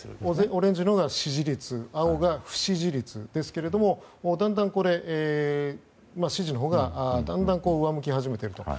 オレンジが支持率青が不支持率ですけども支持のほうが、だんだん上向き始めているという。